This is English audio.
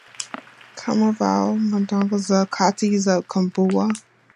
kama vile ndogo, za kati na kubwa.